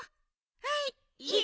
はい。